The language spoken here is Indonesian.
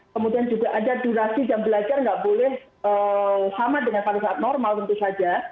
kemudian juga ada durasi jam belajar nggak boleh sama dengan pada saat normal tentu saja